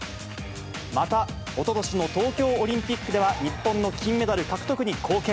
また、おととしの東京オリンピックでは日本の金メダル獲得に貢献。